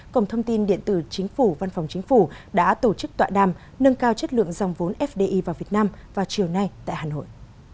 cổng thông tin điện tử chính phủ văn phòng chính phủ đã tổ chức tọa đàm nâng cao chất lượng dòng vốn fdi vào việt nam vào chiều nay tại hà nội